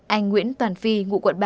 anh nguyễn toàn phi ngụ quận ba